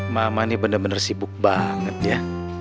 mama ini bener bener sibuk banget ya